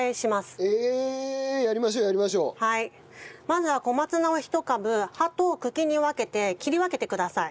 まずは小松菜をひと株葉と茎に分けて切り分けてください。